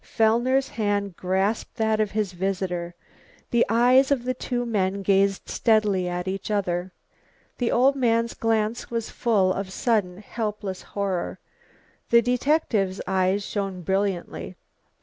Fellner's hand grasped that of his visitor. The eyes of the two men gazed steadily at each other. The old man's glance was full of sudden helpless horror, the detective's eyes shone brilliantly.